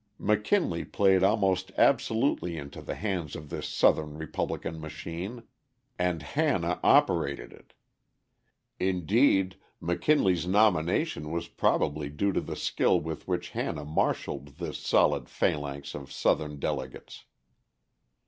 McKinley played almost absolutely into the hands of this Southern Republican machine, and Hanna operated it. Indeed, McKinley's nomination was probably due to the skill with which Hanna marshaled this solid phalanx of Southern delegates.